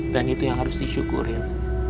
dan itu yang harus disyukurin